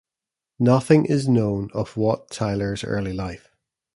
Nothing is known of Wat Tyler's early life.